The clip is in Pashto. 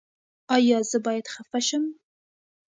ایا زه باید خفه شم؟